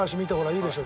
いいでしょ？